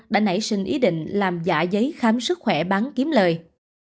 đã nảy sinh ý định làm giả giấy khám sức khỏe bán kiếm lời